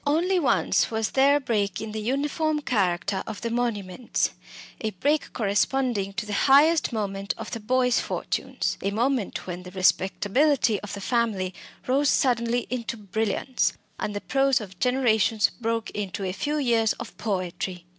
Only once was there a break in the uniform character of the monuments a break corresponding to the highest moment of the Boyce fortunes, a moment when the respectability of the family rose suddenly into brilliance, and the prose of generations broke into a few years of poetry.